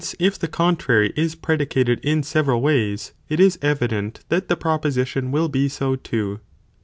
position also if the contrary is predicated in several ways, it is mabe: evident that the proposition will be so too.